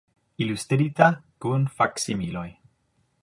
Ilustrita, kun faksimiloj.